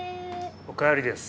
おかえりです。